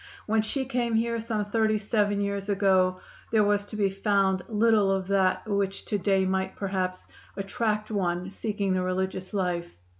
When she came here, some thirty seven years ago, there was to be found little of that which to day might, perhaps, attract one seeking the religious life.